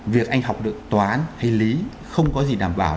việc anh học được toán hay lý không có gì đảm bảo